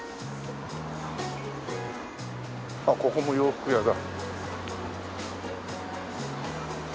あっここも洋服屋だ。